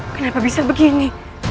kenapa bisa begini